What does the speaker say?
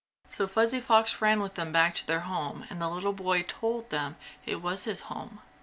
So Fuzzy Fox ran with them back to their home and the little boy told them it was his home.